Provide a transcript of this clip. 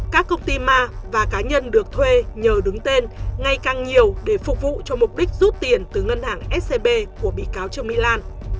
các công ty ma và cá nhân được thuê nhờ đứng tên ngay càng nhiều để phục vụ cho mục đích rút tiền từ ngân hàng scb của bị cáo trương mỹ lan